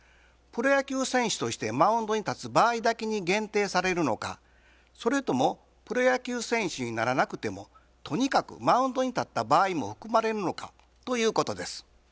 プロ野球選手としてマウンドに立つ場合だけに限定されるのかそれともプロ野球選手にならなくてもとにかくマウンドに立った場合も含まれるのかということです。